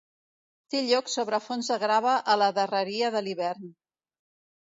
Té lloc sobre fons de grava a la darreria de l'hivern.